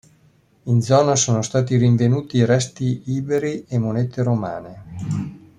In zona sono stati rinvenuti resti iberi e monete romane.